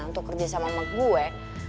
untuk kerjasama sama gue